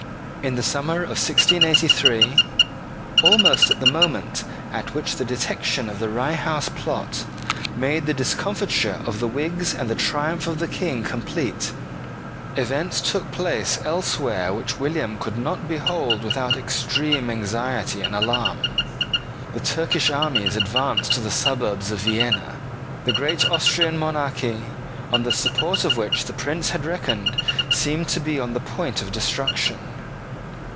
In the summer of 1683, almost at the moment at which the detection of the Rye House Plot made the discomfiture of the Whigs and the triumph of the King complete, events took place elsewhere which William could not behold without extreme anxiety and alarm. The Turkish armies advanced to the suburbs of Vienna. The great Austrian monarchy, on the support of which the Prince had reckoned, seemed to be on the point of destruction.